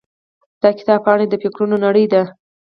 د کتاب پاڼې د فکرونو نړۍ ده.